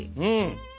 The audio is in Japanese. うん！